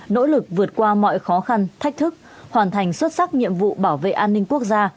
nỗ lực vượt qua mọi khó khăn thách thức hoàn thành xuất sắc nhiệm vụ bảo vệ an ninh quốc gia